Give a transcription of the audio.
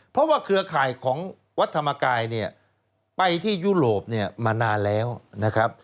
เพราะว่าเครือข่ายของวัดธรรมกายเนี่ยไปที่ยุโรปเนี่ยมานานแล้วนะครับ